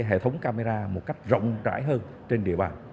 hệ thống camera một cách rộng rãi hơn trên địa bàn